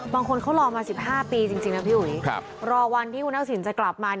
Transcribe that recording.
บางคนเขารอมา๑๕ปีจริงนะพี่อุ๋ยรอวันที่คุณทักษิณจะกลับมา